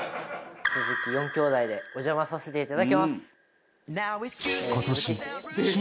鈴木４兄妹でお邪魔させていただきます。